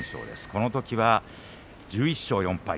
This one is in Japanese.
このときは１１勝４敗。